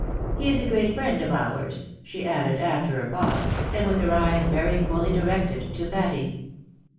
He is a great friend of ours," she added, after a pause, and with her eyes very fully directed to Patty.